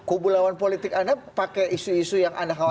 kubu lawan politik anda pakai isu isu yang anda khawatirkan